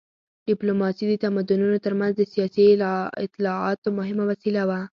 ډیپلوماسي د تمدنونو تر منځ د سیاسي اطلاعاتو مهمه وسیله وه